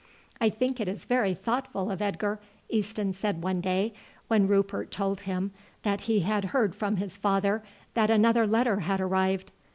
"I think it is very thoughtful of Edgar," Easton said one day when Rupert told him that he had heard from his father that another letter had arrived.